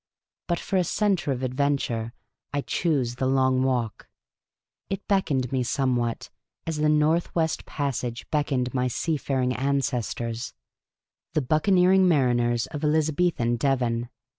But for a centre of adventure I chose the Long Walk ; it beckoned me somewhat as the North West Passage beckoned my sea faring ancestors — the buccaneering mariners of Elizabethan Devon.